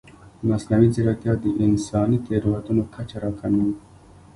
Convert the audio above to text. مصنوعي ځیرکتیا د انساني تېروتنو کچه راکموي.